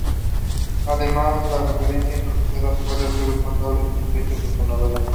Además, una referencia improvisada puede hacer responsable los hechos de la novela "The Mist".